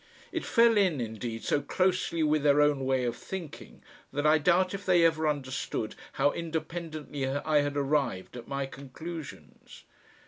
It fell in indeed so closely with their own way of thinking that I doubt if they ever understood how independently I had arrived at my conclusions.